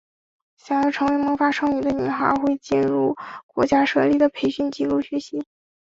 想要成为魔法少女的女孩们会进入国家设立的培训机构学习。